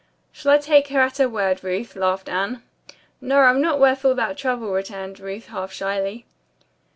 "Shall I take her at her word, Ruth?" laughed Anne. "No, I'm not worth all that trouble," returned Ruth half shyly.